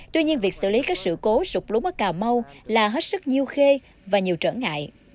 tuy nhiên việc xử lý các sự cố sụp lúng ở cà mau là hết sức nhiêu khê và nhiều trở ngại